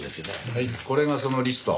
はいこれがそのリスト。